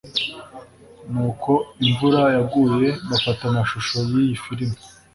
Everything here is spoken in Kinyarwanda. ni uko imvura yaguye bafata amashusho y’iyi filimi